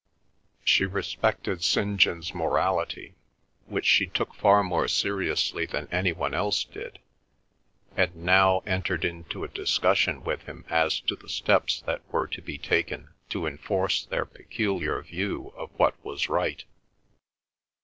She respected St. John's morality, which she took far more seriously than any one else did, and now entered into a discussion with him as to the steps that were to be taken to enforce their peculiar view of what was right.